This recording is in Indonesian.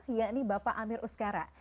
yakni bapak amir uskara